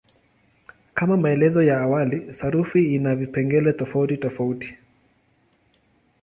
Kama maelezo ya awali, sarufi ina vipengele tofautitofauti.